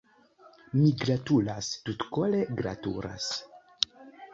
Mi gratulas, tutkore gratulas.